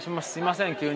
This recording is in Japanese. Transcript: すいません